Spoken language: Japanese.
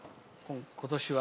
今年は。